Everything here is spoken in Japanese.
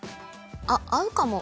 あっ合うかも。